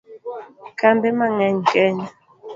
Kambe mang'eny Kenya